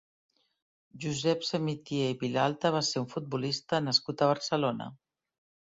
Josep Samitier i Vilalta va ser un futbolista nascut a Barcelona.